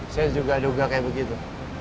saya juga duga kayak begitu